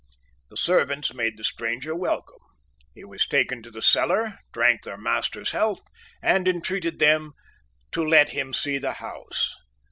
The servants made the stranger welcome. He was taken to the cellar, drank their master's health, and entreated them to let him see the house.